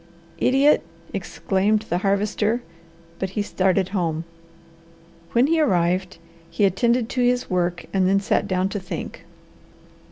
"Idiot!" exclaimed the Harvester, but he started home. When he arrived he attended to his work and then sat down to think.